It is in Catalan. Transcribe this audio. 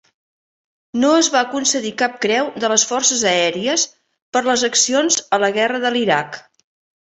No es va concedir cap Creu de les Forces aèries per les accions a la guerra de l'Iraq.